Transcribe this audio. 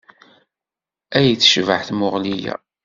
Ay tecbeḥ tmuɣli-a!